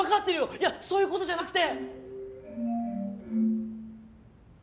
いやそういう事じゃなくて。